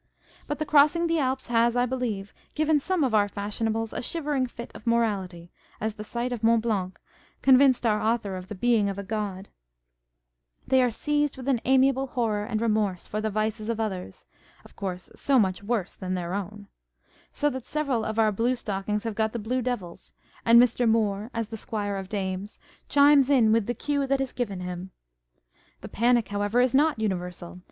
But the crossing the Alps has, I believe, given some of our fashionables a shivering fit of morality, as the sight of Mont Blanc convinced our author of the Being of a God l â€" they are seized with an amiable horror and remorse for the vices of others (of course so much worse than their own), so that several of our blue stockings have got the blue devils, and Mr. Moore, as the Squire of Dames, chimes in with the cue that is given him. The panic, however, is not universal.